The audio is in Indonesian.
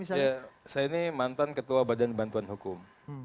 saya ini mantan ketua badan bantuan hukum